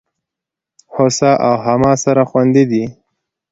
هوسا او هما سره خوندي دي.